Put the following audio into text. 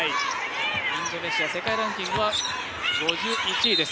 インドネシア世界ランキングが５１位です。